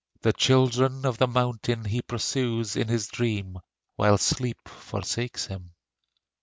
The children of the mountain he pursues In his dream, while sleep forsakes him.